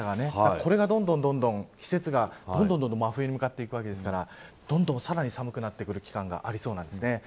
これがどんどん、季節が真冬に向かっていくわけですからどんどん、さらに寒くなってくる期間がありそうです。